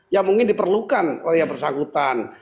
yang mungkin diperlukan oleh yang bersangkutan